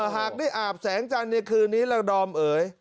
หากได้อาบแสงจันทร์ในคืนนี้ละดอมเอ๋ย